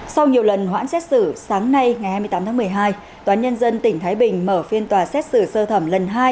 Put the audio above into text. sau nhiều lần hoãn xét xử sáng nay ngày hai mươi tám tháng một mươi hai tòa nhân dân tỉnh thái bình mở phiên tòa xét xử sơ thẩm lần hai